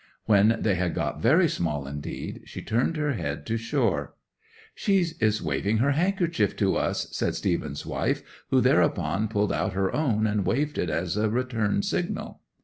When they had got very small indeed she turned her head to shore. '"She is waving her handkerchief to us," said Stephen's wife, who thereupon pulled out her own, and waved it as a return signal.